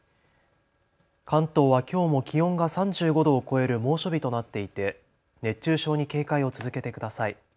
関東はきょうも気温が３５度を超える猛暑日となっていて熱中症に警戒を続けてください。